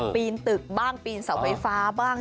ปีนตึกบ้างปีนเสาไฟฟ้าบ้าง